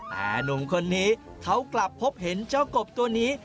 แต่หนุ่มคนนี้เขากลับพบเห็นเจ้ากบตัวนี้